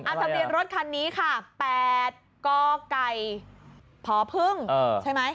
ทะเบียนรถคันนี้ค่ะ๘กไก่พพใช่ไหม